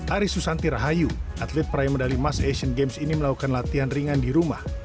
aris susanti rahayu atlet peraih medali emas asian games ini melakukan latihan ringan di rumah